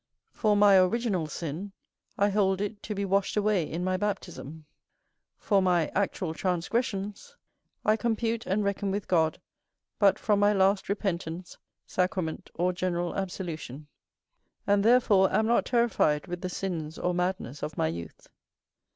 For my original sin, I hold it to be washed away in my baptism; for my actual transgressions, I compute and reckon with God but from my last repentance, sacrament, or general absolution; and therefore am not terrified with the sins or madness of my youth.